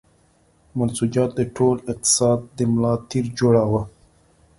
منسوجات د ټول اقتصاد د ملا تیر جوړاوه.